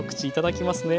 いただきます。